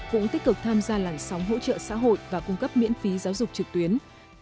cũng tích cực tham gia làn sóng hỗ trợ xã hội và cung cấp miễn phí giáo dục trực tuyến